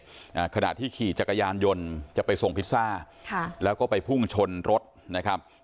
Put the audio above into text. อ่าขณะที่ขี่จักรยานยนต์จะไปส่งพิซซ่าค่ะแล้วก็ไปพุ่งชนรถนะครับ